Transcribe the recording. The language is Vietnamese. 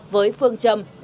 với phương trầm đã uống sữa